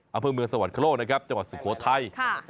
อำเภอเมืองสวรรคโลกนะครับจังหวัดสุโขทัย